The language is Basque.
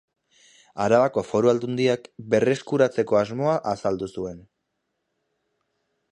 Arabako Foru Aldundiak berreskuratzeko asmoa azaldu zuen.